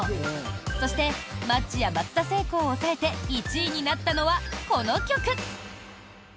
そしてマッチや松田聖子を抑えて１位になったのは、この曲。